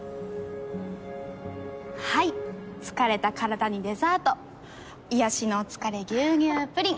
はい疲れた体にデザート癒やしのお疲れ牛乳プリン。